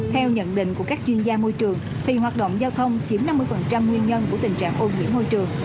theo nhận định của các chuyên gia môi trường thì hoạt động giao thông chiếm năm mươi nguyên nhân của tình trạng ô nhiễm môi trường